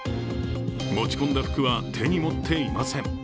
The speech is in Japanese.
持ち込んだ服は、手に持っていません。